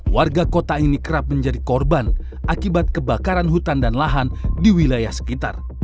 warga kota ini kerap menjadi korban akibat kebakaran hutan dan lahan di wilayah sekitar